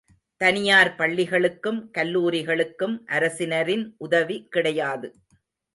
தனியார் பள்ளிகளுக்கும் கல்லூரிகளுக்கும் அரசினரின் உதவி கிடையாது.